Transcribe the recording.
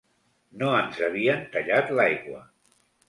No ens havien tallat l'aigua